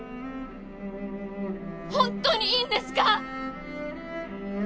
本当にいいんですか！？